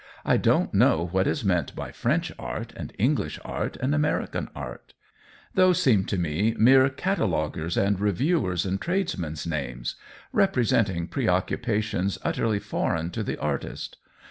I don't know what is meant by French art and English art and American art ; those seem to me mere cata loguers' and reviewers' and tradesmen's names, representing preoccupations utterly foreign to the artist.